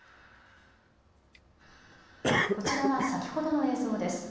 こちらは先ほどの映像です。